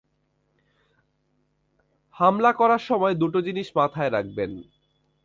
হামলা করার সময় দুটো জিনিস মাথায় রাখবেন।